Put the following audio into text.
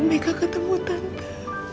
mereka ketemu tante